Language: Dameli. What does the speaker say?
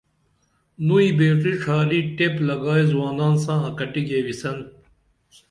نُئی بیٹری ڇھاری ٹیپ لگائی زُوانان ساں اکٹی گیوِسن